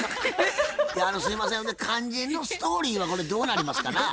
すいません肝心のストーリーはこれどうなりますかな？